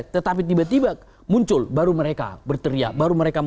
tetapi tiba tiba muncul baru mereka berteriak